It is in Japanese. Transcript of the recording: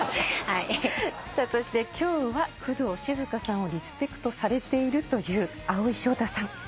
そして今日は工藤静香さんをリスペクトされているという蒼井翔太さん。